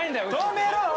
止めろ！